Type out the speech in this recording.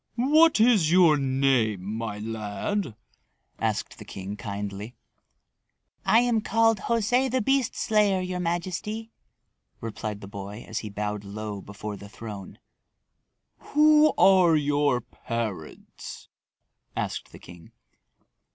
"What is your name, my lad?" asked the king kindly. "I am called José the Beast Slayer, your majesty," replied the boy as he bowed low before the throne. "Who are your parents?" asked the king.